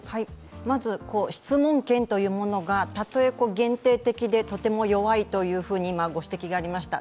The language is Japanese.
まず質問権というものがたとえ限定的でとても弱いというふうに今、ご指摘がありました。